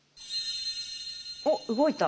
おっ動いた。